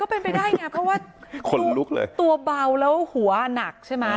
ก็เป็นไปได้ไงเพราะว่าตัวเบาแล้วหัวหนักใช่ไหม